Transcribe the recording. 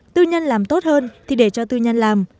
tư nhân làm tốt hơn thì để cho tư nhân làm